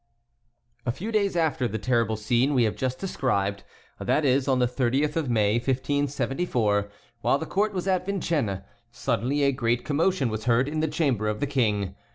A few days after the terrible scene we have just described, that is, on the 30th of May, 1574, while the court was at Vincennes, suddenly a great commotion was heard in the chamber of the King.